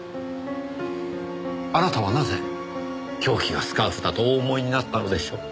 あなたはなぜ凶器がスカーフだとお思いになったのでしょう？